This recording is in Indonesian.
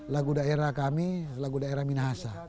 lagu daerah kami lagu daerah minahasa